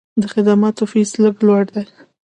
د خدماتو فیس لږ لوړ دی.